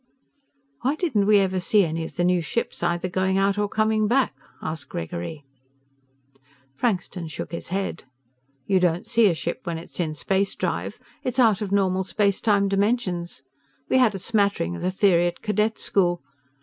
"Why didn't we ever see any of the new ships either going out or coming back?" asked Gregory. Frankston shook his head. "You don't see a ship when it's in spacedrive. It's out of normal space time dimensions. We had a smattering of the theory at cadet school